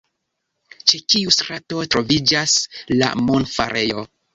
Ĉe kiu strato troviĝas la monfarejo?